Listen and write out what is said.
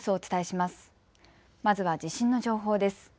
まずは地震の情報です。